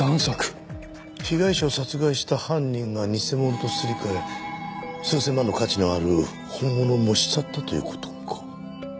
被害者を殺害した犯人が偽物とすり替え数千万の価値のある本物を持ち去ったという事か。